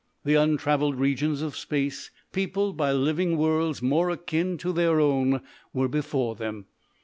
The untravelled regions of Space peopled by living worlds more akin to their own were before them.